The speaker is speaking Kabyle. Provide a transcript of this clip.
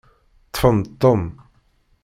Ṭṭfem-d Tom.